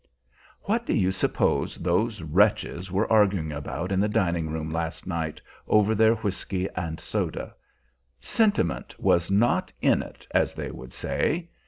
What do you suppose those wretches were arguing about in the dining room last night, over their whisky and soda? Sentiment was "not in it," as they would say.